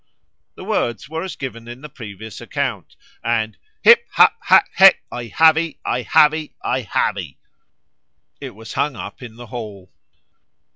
The words were as given in the previous account, and 'Hip, hip, hack, heck, I have 'ee, I have 'ee, I have 'ee.' It was hung up in the hall."